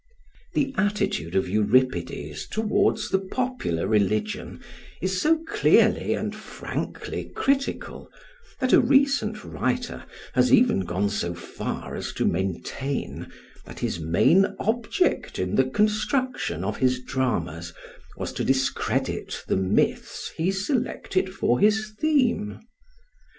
The attitude of Euripides towards the popular religion is so clearly and frankly critical that a recent writer has even gone so far as to maintain that his main object in the construction of his dramas was to discredit the myths he selected for his theme.